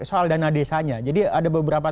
soal dana desanya jadi ada beberapa